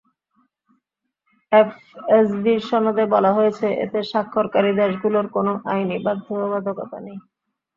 এফএসবির সনদে বলা হয়েছে, এতে স্বাক্ষরকারী দেশগুলোর কোনো আইনি বাধ্যবাধকতা নেই।